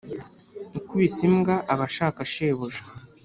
Ukubise imbwa aba ashaka shebuja.